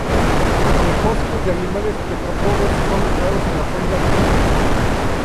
Los fósiles de animales tetrápodos son raros en la Cuenca Triunfo.